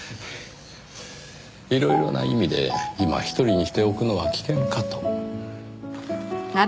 いろいろな意味で今一人にしておくのは危険かと。